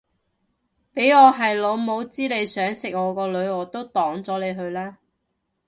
俾我係老母知你想食我個女我都擋咗你去啦